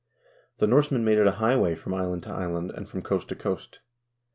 The Norse men made it a highway from island to island, and from coast to coast.